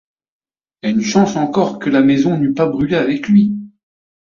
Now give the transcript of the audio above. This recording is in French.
Et une chance encore que la maison n’eût pas brûlé avec lui !